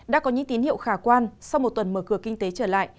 đã có những tín hiệu khả quan sau một tuần mở cửa kinh tế trở lại